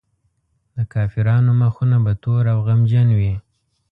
د کافرانو مخونه به تور او غمجن وي.